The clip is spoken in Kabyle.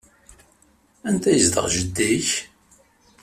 Anda ay yezdeɣ jeddi-k?